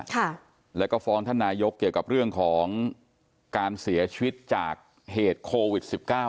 ค่ะแล้วก็ฟ้องท่านนายกเกี่ยวกับเรื่องของการเสียชีวิตจากเหตุโควิดสิบเก้า